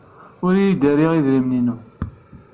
Ur iyi-d-terri idrimen-inu.